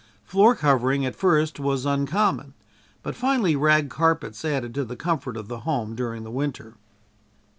Floor covering at first was uncommon, but finally rag carpets added to the comfort of the home during the winter.